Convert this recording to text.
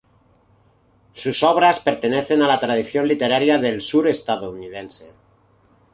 Sus obras pertenecen a la tradición literaria del sur estadounidense.